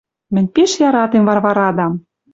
Мӹнь пиш яратем Варварадам.